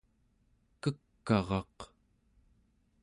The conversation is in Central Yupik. kek'araq